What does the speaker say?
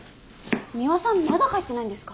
ミワさんまだ帰ってないんですか？